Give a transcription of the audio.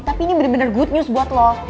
tapi ini bener bener good news buat lo